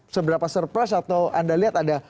seberapa surprise atau anda lihat ada